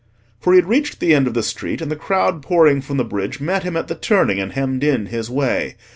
For he had reached the end of the street, and the crowd pouring from the bridge met him at the turning and hemmed in his way.